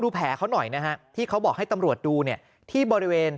แผลเขาหน่อยนะฮะที่เขาบอกให้ตำรวจดูเนี่ยที่บริเวณ